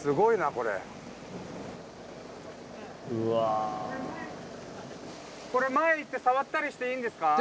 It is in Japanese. これ前行って触ったりしていいんですか？